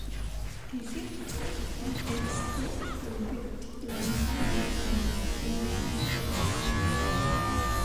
Egypten er et stort og vigtigt land med en rig historie.